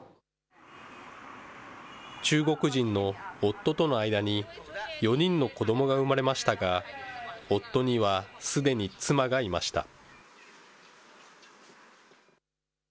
中国人の夫との間に４人の子どもが産まれましたが、夫にはすでに妻がいました。